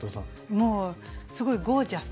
もうすごいゴージャス。